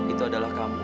itu adalah kamu